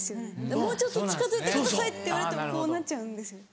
「もうちょっと近づいてください」って言われてもこうなっちゃうんです。